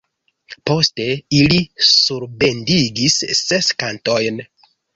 Poste ili surbendigis ses kantojn.